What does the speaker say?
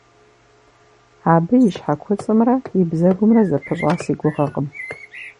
Абы и щхьэкуцӏымрэ и бзэгумрэ зэпыщӏа си гугъэкъым.